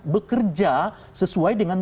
bekerja sesuai dengan